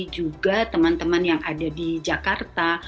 juga teman teman yang ada di jakarta